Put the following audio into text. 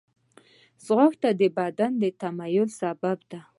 ځغاسته د بدن د تعادل سبب ده